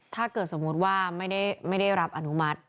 ถ้าเกิดสมมุติว่าไม่ได้รับอนุมัติ